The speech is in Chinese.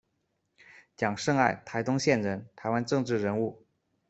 蒋圣爱，台东县人，台湾政治人物。